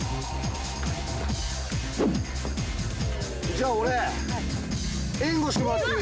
じゃ俺援護してもらっていい？